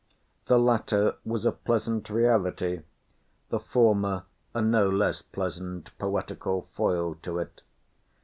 The latter was a pleasant reality, the former a no less pleasant poetical foil to it.